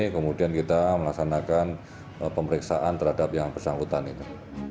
kemudian kita melaksanakan pemeriksaan terhadap yang bersangkutan ini